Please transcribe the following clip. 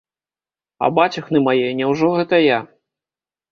А бацюхны мае, няўжо гэта я?